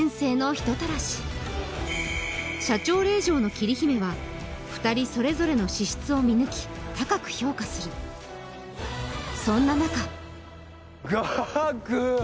人たらし社長令嬢の桐姫は２人それぞれの資質を見抜き高く評価するそんな中ガク！